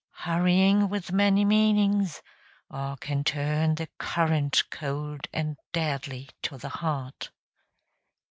Hurrying with many meanings; or can turn The current cold and deadly to the heart.